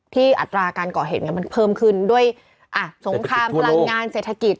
อัตราการก่อเหตุมันเพิ่มขึ้นด้วยสงครามพลังงานเศรษฐกิจ